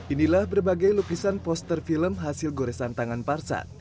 inilah berbagai lukisan poster film hasil goresan tangan parsan